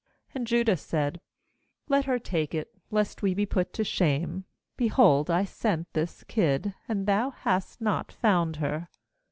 ^And Judah said: 'Let her take it, lest we be put to shame; behold, I sent this kid, and thou hast not found her.'